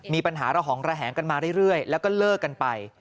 มีปัญหาระหองระแหงกันมาเรื่อยแล้วก็เลิกกันไป